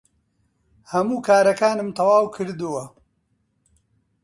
هەموو کارەکانم تەواو کردووە.